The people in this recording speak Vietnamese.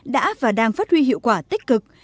đã và đang phát huy hiệu quả tích cực